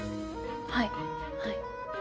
はいはい。